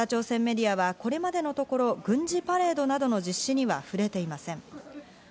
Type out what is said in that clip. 北朝鮮メディアはこれまでのところ、軍事パレードなどの実施には触れていません。